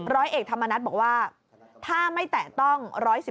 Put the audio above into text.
ร้อยเอกธรรมนัฏบอกว่าถ้าไม่แตะต้อง๑๑๒